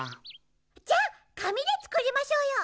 じゃあかみでつくりましょうよ。